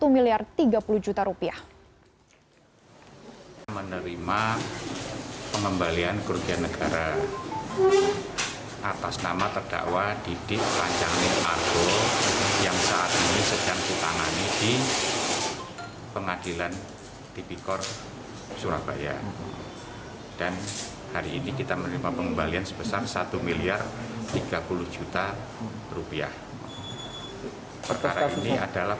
satu miliar tiga puluh juta rupiah